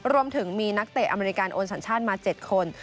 รวมถึงมีนักเตะอเมริกันโอนสัญชาติมา๗คน